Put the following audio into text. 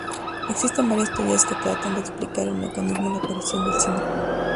Existen varias teorías que tratan de explicar el mecanismo de aparición del síndrome.